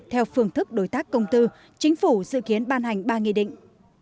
theo phương thức đối tác công tư chính phủ dự kiến ban hành ba nghị định